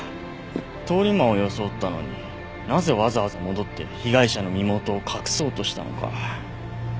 通り魔を装ったのになぜわざわざ戻って被害者の身元を隠そうとしたのか。